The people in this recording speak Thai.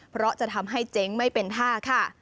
เพราะจะทำให้เจ๊งไม่เป็นท่าค่ะ